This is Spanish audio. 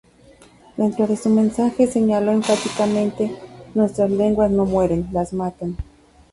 Dentro de su mensaje, señaló enfáticamente: “Nuestras lenguas no mueren, las matan.